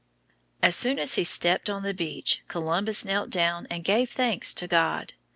As soon as he stepped on the beach, Columbus knelt down and gave thanks to God.